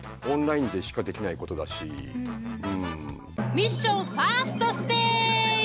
ミッションファーストステージ。